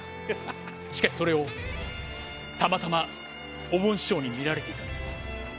しかしそれをたまたまおぼん師匠に見られていたんです。